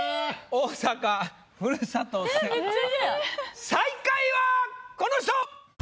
大阪ふるさと戦最下位はこの人！